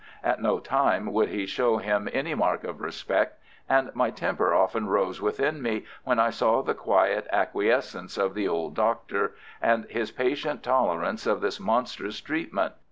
At no time would he show him any mark of respect, and my temper often rose within me when I saw the quiet acquiescence of the old Doctor, and his patient tolerance of this monstrous treatment.